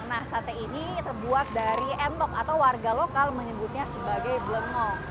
nah sate ini terbuat dari entok atau warga lokal menyebutnya sebagai blengo